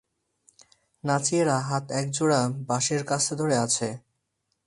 নাচিয়েরা হাতে এক জোড়া বাঁশের কাস্তে ধরে আছে।